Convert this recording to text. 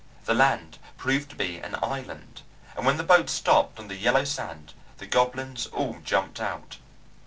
The land proved to be an island, and when the boat stopped on the yellow sand the goblins all jumped out.